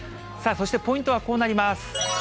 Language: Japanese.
さあ、そしてポイントはこうなります。